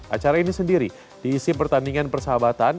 acara ini sendiri diisi pertandingan persahabatan